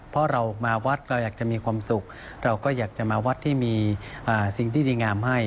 เพราะเรามาวัดเราอยากจะมีความสุขเราก็อยากจะมาวัดที่มีสิ่งที่ดีงามให้